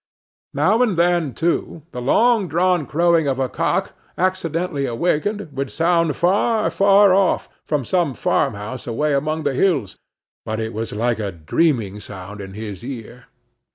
Now and then, too, the long drawn crowing of a cock, accidentally awakened, would sound far, far off, from some farmhouse away among the hills but it was like a dreaming sound in his ear.